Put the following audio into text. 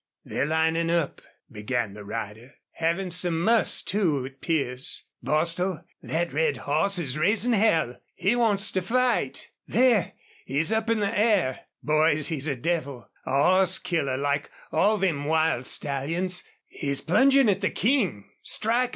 "They're linin' up," began the rider. "Havin' some muss, too, it 'pears.... Bostil, thet red hoss is raisin' hell! He wants to fight. There! he's up in the air.... Boys, he's a devil a hoss killer like all them wild stallions.... He's plungin' at the King strikin'!